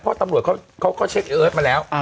เพราะตำรวจเขาก็เช็คเอิร์ทมาแล้ว